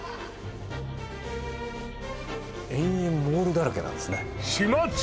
延々モールだらけなんですね島忠！